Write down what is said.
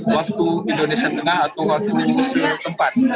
waktu indonesia tengah atau waktu indonesia tempat